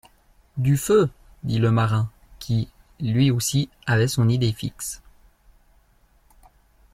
Du feu, dit le marin, qui, lui aussi, avait son idée fixe.